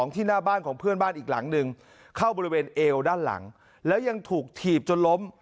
ที่หน้าบ้านของเพื่อนบ้านอีกหลังหนึ่งเข้าบริเวณเอวด้านหลังแล้วยังถูกถีบจนล้ม